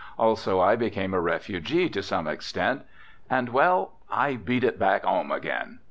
Also, I became a refugee, to some extent. And, well I "beat it" back 'ome again.